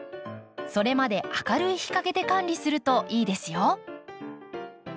それまで明るい日陰で管理するといいですよ。